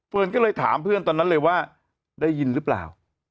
ก็เลยถามเพื่อนตอนนั้นเลยว่าได้ยินหรือเปล่า